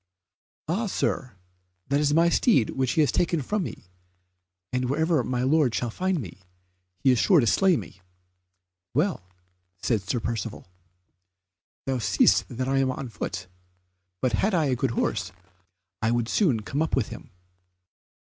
"Ah, Sir, that is my steed which he has taken from me, and wherever my lord shall find me, he is sure to slay me." "Well," said Sir Percivale, "thou seest that I am on foot, but had I a good horse I would soon come up with him."